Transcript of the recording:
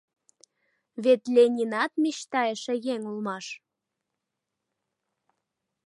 Вет Ленинат мечтайыше еҥ улмаш.